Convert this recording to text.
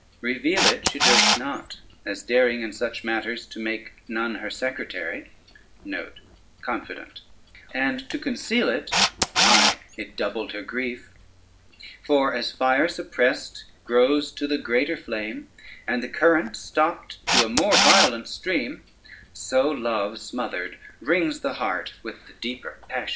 Reveal it she durst not, as daring in such matters to make none her secretary; and to conceal it, why, it doubled her grief; for as fire suppressed grows to the greater flame, and the current stopped to the more violent stream, so love smothered wrings the heart with the deeper passions.